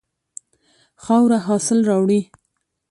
خاوره حاصل راوړي.